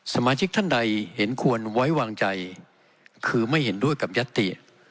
สมาชิกท่านใดเห็นควรไว้วางใจคือไม่เห็นด้วยกับยัตติ